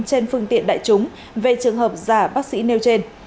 trên phương tiện đại chúng về trường hợp giả bác sĩ nêu trên